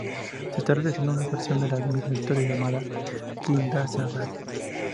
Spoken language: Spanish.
Se está realizando una versión de la misma historia, llamada "Kin-Dza-Dza-Dza!